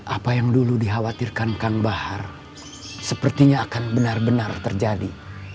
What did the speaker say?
apa yang dulu dikhawatirkan kang bahar sepertinya akan benar benar terjadi